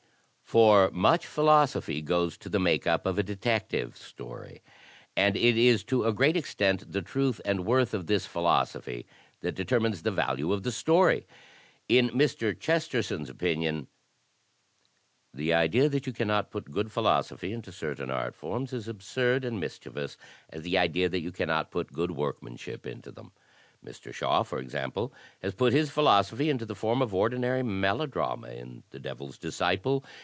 For much philosophy goes to the make up of a Detective 92 THE TECHNIQUE OF THE MYSTERY STORY Story. And it is to a great extent the truth and worth of this philosophy that determines the value of the story. In Mr. Chesterton^s opinion: "The idea that you cannot put good philosophy into certain art forms is as absurd and mischievous as the idea that you cannot put good workmanship into them. Mr. Shaw, for example, has put his philosophy into the form of ordinary melodrama in *The DeviPs Disciple.'